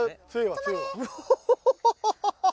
止まれ。